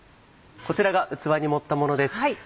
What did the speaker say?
こちらが器に盛ったものです。